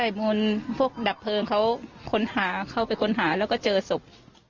ใช่มันพวกดับเพลิงเขาเข้าไปค้นหาแล้วก็เจอศพ